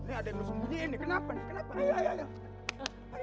ini ada yang udah sembunyi ini kenapa ini kenapa ayo ayo ayo